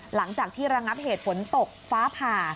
หลังจากที่ระงับเหตุฝนตกฟ้าผ่า